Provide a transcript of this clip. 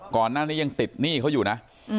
ก่อนหน้านี้ยังติดหนี้เขาอยู่นะ